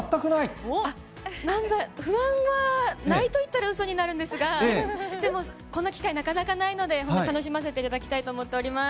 不安は、ないと言ったらうそになるんですが、でも、こんな機会、なかなかないので、本当に楽しませていただきたいと思っております。